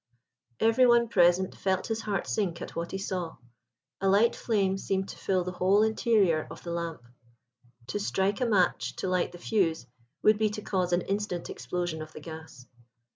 Every one present felt his heart sink at what he saw. A light flame seemed to fill the whole interior of the lamp. To strike a match to light the fuse would be to cause an instant explosion of the gas.